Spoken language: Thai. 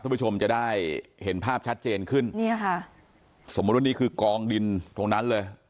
ผู้ชมจะได้เห็นภาพชัดเจนขึ้นเนี่ยค่ะสมมุติว่านี่คือกองดินตรงนั้นเลย